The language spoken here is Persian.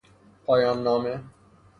پایان نامه